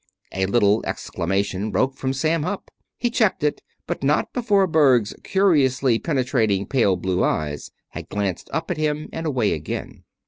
A little exclamation broke from Sam Hupp. He checked it, but not before Berg's curiously penetrating pale blue eyes had glanced up at him, and away again.